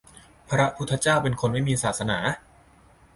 พระพุทธเจ้าเป็นคนไม่มีศาสนา ?